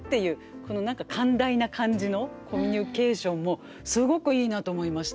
この何か寛大な感じのコミュニケーションもすごくいいなと思いました。